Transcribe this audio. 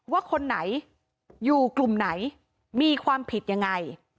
ว่าคนไหนอยู่กลุ่มไหนมีความผิดยังไง